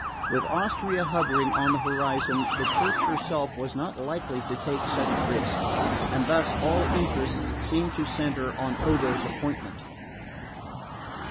With Austria hovering on the horizon the Church herself was not likely to take such risks; and thus all interests seemed to centre in Odo's appointment.